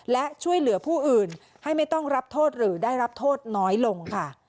และช่วยเหลือผู้อื่นให้ไม่ต้องรับโทษหรือได้รับโทษน้อยลงค่ะ